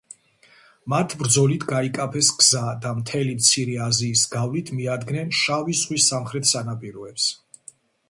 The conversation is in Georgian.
მათ ბრძოლით გაიკაფეს გზა და მთელი მცირე აზიის გავლით მიადგნენ შავი ზღვის სამხრეთ სანაპიროებს.